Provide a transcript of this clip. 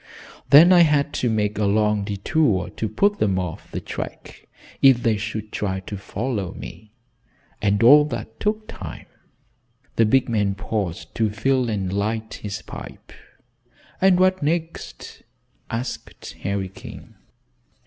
Then I had to make a long detour to put them off the track if they should try to follow me, and all that took time." The big man paused to fill and light his pipe. "And what next?" asked Harry King.